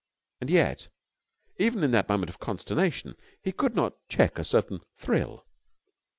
And yet, even in that moment of consternation, he could not check a certain thrill.